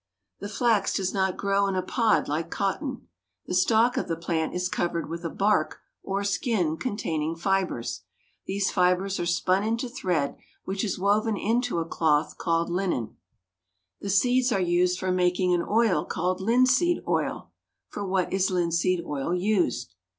The flax does not grow in a pod like cotton. The stalk of the plant is covered with a bark, or skin, containing fibers. These fibers are spun into thread, which is woven into a cloth called linen. [Illustration: "A PLANT THAT YIELDS NO FOOD."] The seeds are used for making an oil called linseed oil. For what is linseed oil used?